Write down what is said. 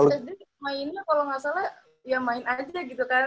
kalo gak salah ya main aja gitu kan